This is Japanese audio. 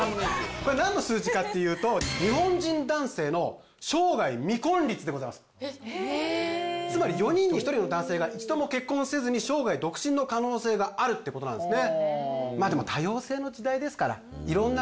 これ何の数字かっていうと日本人男性の生涯未婚率でございますえっつまり４人に１人の男性が一度も結婚せずに生涯独身の可能性があるってことなんですね